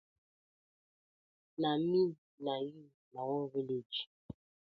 Na mi na yu na one village.